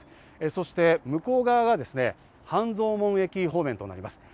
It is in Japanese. そして向こう側は半蔵門駅方面となります。